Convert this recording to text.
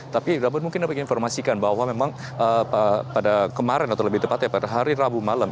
tapi mungkin dapat informasikan bahwa memang pada kemarin atau lebih tepatnya pada hari rabu malam